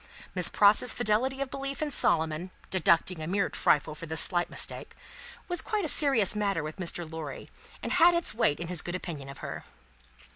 Miss Pross's fidelity of belief in Solomon (deducting a mere trifle for this slight mistake) was quite a serious matter with Mr. Lorry, and had its weight in his good opinion of her.